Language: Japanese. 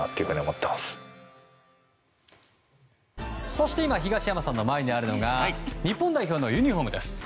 そして今東山さんの前にあるのが日本代表のユニホームです。